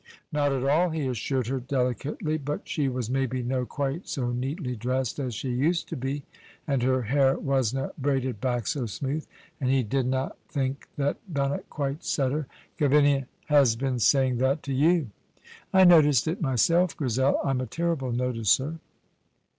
Not at all, he assured her delicately, but she was maybe no quite so neatly dressed as she used to be, and her hair wasna braided back so smooth, and he didna think that bonnet quite set her. "Gavinia has been saying that to you!" "I noticed it mysel', Grizel; I'm a terrible noticher."